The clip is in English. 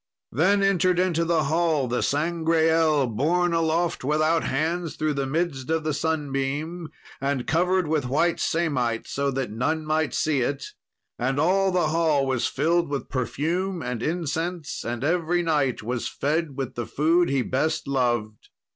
Then entered into the hall the Sangreal, borne aloft without hands through the midst of the sunbeam, and covered with white samite, so that none might see it. And all the hall was filled with perfume and incense, and every knight was fed with the food he best loved.